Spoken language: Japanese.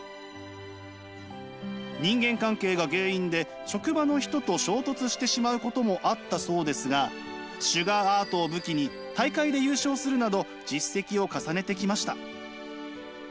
人間関係が原因で職場の人と衝突してしまうこともあったそうですがシュガーアートを武器に大会で優勝するなど実績を重ねてきました。